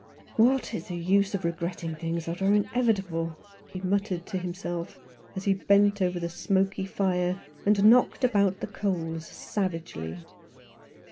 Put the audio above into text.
"What is the use of regretting things that are inevitable ?" he muttered to himself, as he bent over the smoky fire, and knocked about the coals savagely.